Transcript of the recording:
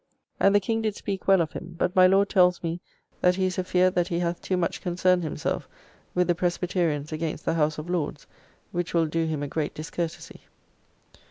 ] and the King did speak well of him; but my Lord tells me, that he is afeard that he hath too much concerned himself with the Presbyterians against the House of Lords, which will do him a great discourtesy.